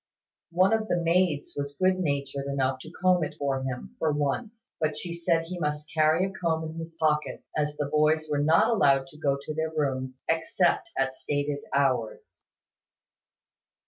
One of the maids was good natured enough to comb it for him, for once: but she said he must carry a comb in his pocket; as the boys were not allowed to go to their rooms, except at stated hours.